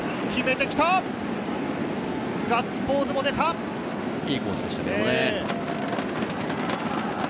いいコースでしたけどね。